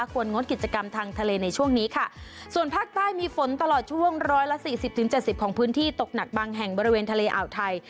งดกิจกรรมทางทะเลในช่วงนี้ค่ะส่วนภาคใต้มีฝนตลอดช่วงร้อยละสี่สิบถึงเจ็ดสิบของพื้นที่ตกหนักบางแห่งบริเวณทะเลอ่าวไทย